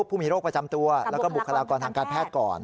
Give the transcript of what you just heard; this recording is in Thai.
ผู้มีโรคประจำตัวแล้วก็บุคลากรทางการแพทย์ก่อน